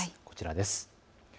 こちらです。